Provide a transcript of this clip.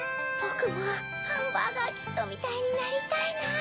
ぼくもハンバーガーキッドみたいになりたいな。